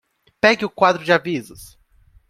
Pegue o quadro de avisos!